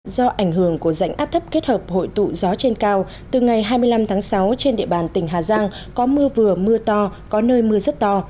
do ảnh hưởng của rãnh áp thấp kết hợp hội tụ gió trên cao từ ngày hai mươi năm tháng sáu trên địa bàn tỉnh hà giang có mưa vừa mưa to có nơi mưa rất to